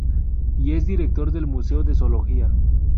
Y es director del "Museo de Zoología".